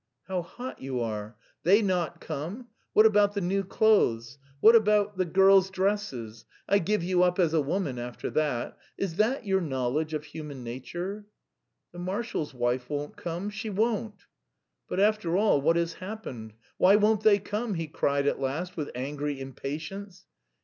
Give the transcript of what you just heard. "How hot you are! They not come! What about the new clothes? What about the girls' dresses? I give you up as a woman after that! Is that your knowledge of human nature?" "The marshal's wife won't come, she won't." "But, after all, what has happened? Why won't they come?" he cried at last with angry impatience.